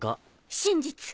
真実！